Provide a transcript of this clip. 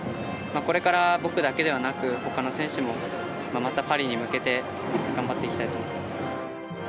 これから僕だけではなく、ほかの選手もまたパリに向けて、頑張っていきたいと思ってます。